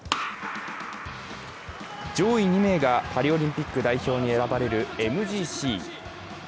上位２名がパリオリンピック代表に選ばれるＭＧＣ。